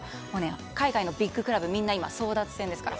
海外のビッグクラブみんな争奪戦ですから。